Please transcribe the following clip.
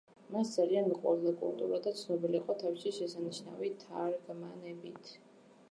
მას ძალიან უყვარდა კულტურა და ცნობილი იყო თავისი შესანიშნავი თარგმანებით.